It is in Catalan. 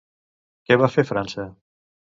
Què va fer França?